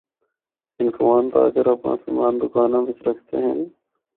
ہندکووان تاجر اپنڑا سامان دوکاناں بچ رکھدے ہن۔